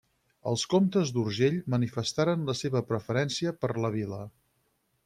Els comtes d'Urgell manifestaren la seva preferència per la vila.